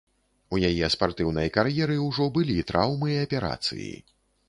У яе спартыўнай кар'еры ўжо былі траўмы і аперацыі.